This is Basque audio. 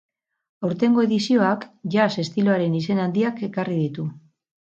Aurtengo edizioak jazz estiloaren izen handiak ekarri ditu.